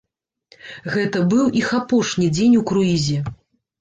Гэта быў іх апошні дзень у круізе.